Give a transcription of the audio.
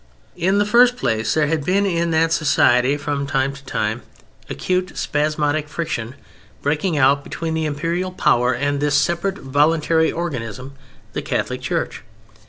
In the first place there had been in that society from time to time acute spasmodic friction breaking out between the Imperial power and this separate voluntary organism, the Catholic Church.